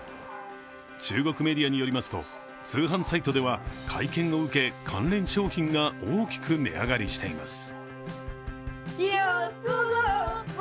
中国メディアによりますと、通販サイトでは会見を受け関連商品が大きく値上がりしています。